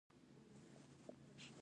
ایا زه باید مرسته وکړم؟